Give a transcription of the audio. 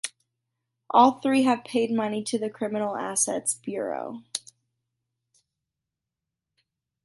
All three have paid money to the Criminal Assets Bureau.